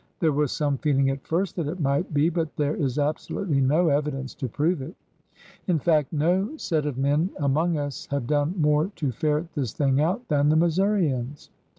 There was some feeling at first that it might be, but there is absolutely no evidence to prove it. In fact, no set of men among us have done more to ferret this thing out than the Missourians.